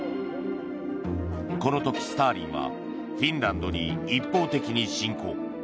この時、スターリンはフィンランドに一方的に侵攻。